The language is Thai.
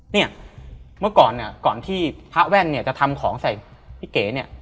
เนี่ยเมื่อก่อนเนี่ยก่อนที่พระแว่นเนี่ยจะทำของใส่พี่เก๋เนี่ย